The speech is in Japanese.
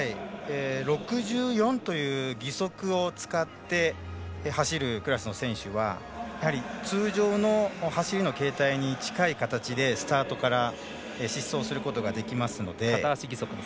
６４という義足を使って走るクラスの選手は通常の走りの形態に近い形でスタートから疾走することができますので。